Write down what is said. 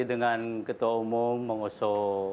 dengan ketua umum bang oso